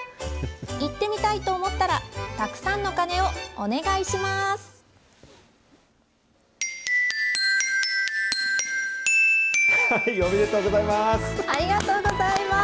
行ってみたいと思ったら、たくさんの鐘をお願いします。